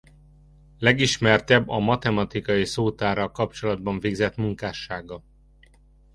Legismertebb a matematikai szótárral kapcsolatban végzett munkássága.